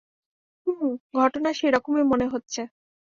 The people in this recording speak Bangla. হুম, ঘটনা সেরকমই মনে হচ্ছে।